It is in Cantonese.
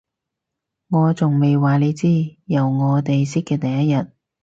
我仲未話你知，由我哋識嘅第一日